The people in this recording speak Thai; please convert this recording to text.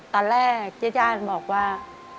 ตอนแรกเจ้าญาติบอกว่า